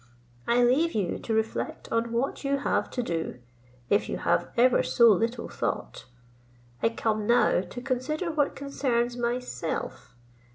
I leave you to reflect on what you have to do, if you have ever so little thought. I come now to consider what concerns myself.